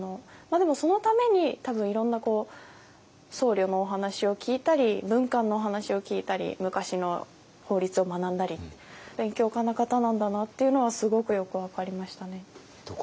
でもそのために多分いろんな僧侶のお話を聞いたり文官のお話を聞いたり昔の法律を学んだり勉強家な方なんだなというのはすごくよく分かりましたね。